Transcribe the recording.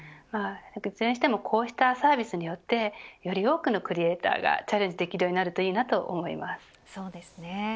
いずれにしてもこうしたサービスによってより多くのクリエイターがチャレンジできるようになればいいと思います。